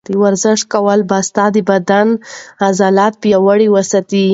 ورزش کول به ستا د بدن عضلې پیاوړې وساتي.